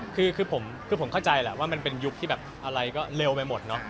คือผมเข้าใจแหละว่ามันเป็นยุคที่แบบอะไรก็เร็วไปหมดเนอะ